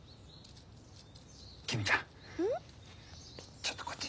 ちょっとこっち。